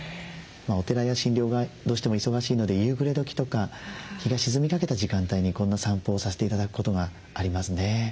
お寺や診療がどうしても忙しいので夕暮れ時とか日が沈みかけた時間帯にこんな散歩をさせて頂くことがありますね。